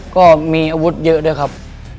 ก็มีอาวุธเยอะด้วยครับ